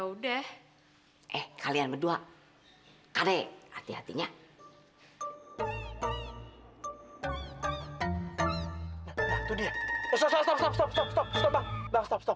ya udah eh kalian berdua kadek hati hatinya itu dia stop stop stop stop stop stop stop stop